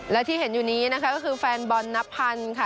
และที่เห็นอยู่นี้นะคะก็คือแฟนบอลนับพันค่ะ